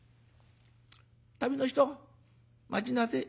「旅の人待ちなせえ。